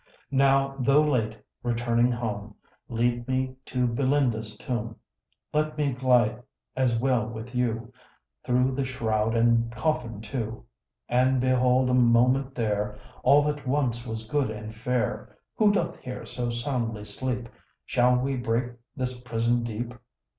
Now, tho' late, returning home, Lead me to Belinda's tomb; Let me glide as well as you Through the shroud and coffin too, And behold, a moment, there, All that once was good and fair Who doth here so soundly sleep? Shall we break this prison deep?